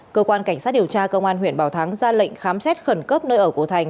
cơ quan cảnh sát điều tra công an huyện bảo thắng ra lệnh khám xét khẩn cấp nơi ở của thành